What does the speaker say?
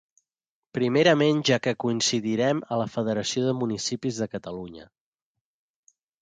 Primerament ja que coincidírem a la Federació de Municipis de Catalunya.